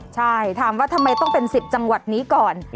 ใช่ถามว่าทำไมต้องเป็น๑๐จังหวัดนี้ก่อน